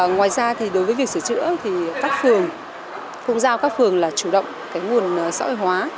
ngoài ra thì đối với việc sửa chữa thì các phường khung giao các phường là chủ động cái nguồn xã hội hóa